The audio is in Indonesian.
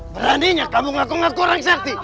beraninya kamu ngaku ngaku orang sakti